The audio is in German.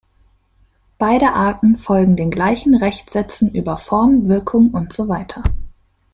Beide Arten folgen den gleichen Rechtssätzen über Form, Wirkung usw.